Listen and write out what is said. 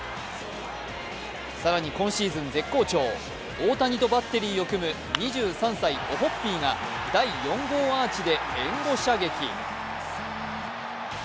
更に、今シーズン絶好調、大谷とバッテリーを組む２３歳・オホッピーが第４号アーチで援護射撃。